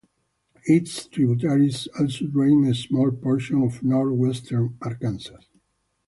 Its tributaries also drain a small portion of northwestern Arkansas.